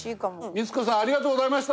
みつこさんありがとうございました。